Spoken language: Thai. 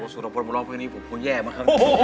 สุรพลมรองเพลงนี้ผมพูดแย่มาก